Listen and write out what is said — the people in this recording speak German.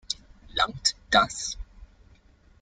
Langt das?